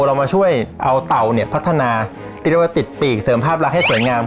เรามาช่วยเอาเต่าเนี้ยพัฒนาไปติดปีกเสริมภาพลักษณ์ให้สวยงาม